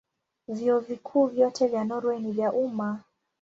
Vyuo Vikuu vyote vya Norwei ni vya umma.